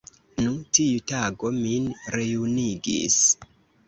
Nu, tiu tago min rejunigis.